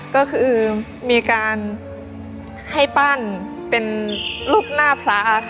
ก็คือมีการให้ปั้นเป็นรูปหน้าพระค่ะ